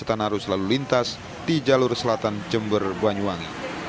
dan mengakibatkan kemacetan arus lalu lintas di jalur selatan jember banyuang